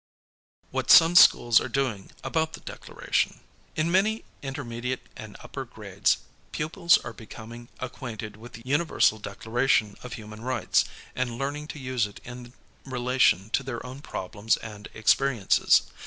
What Some Schools Are Doing About the DECLARATION In manv intermediate and upper grades, pupils are becoming acquainted with the Universal Declaration of Human Rights and learning to use it in relation to their own problems and experiences.